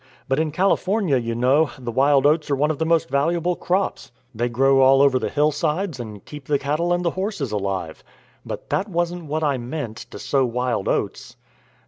But in California, you know, the wild oats are one of the most valuable crops. They grow all over the hillsides and keep the cattle and the horses alive. But that wasn't what I meant to sow wild oats.